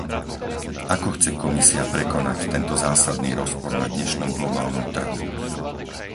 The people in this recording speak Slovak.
Ako chce Komisia prekonať tento zásadný rozpor na dnešnom globálnom trhu?